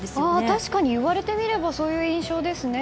確かに言われてみればそういう印象ですね。